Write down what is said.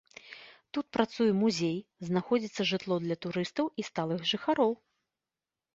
Тут працуе музей, знаходзіцца жытло для турыстаў і сталых жыхароў.